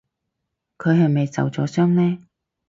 佢係咪受咗傷呢？